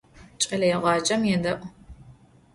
Ç'eleêğacem yêde'u.